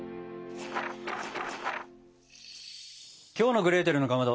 きょうの「グレーテルのかまど」